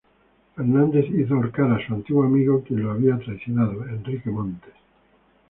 Fernandes hizo ahorcar a su antiguo amigo, quien lo había traicionado, Henrique Montes.